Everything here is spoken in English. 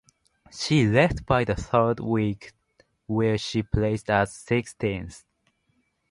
She left by the third week where she placed as sixteenth.